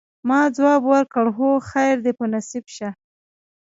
ما ځواب ورکړ: هو، خیر دي په نصیب شه.